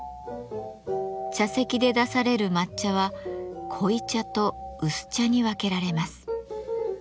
茶席で出される抹茶は濃茶と薄茶に分けられます。